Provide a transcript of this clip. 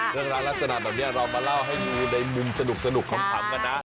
เรื่องราวลักษณะแบบนี้เรามาเล่าให้ดูในมุมสนุกขำกันนะ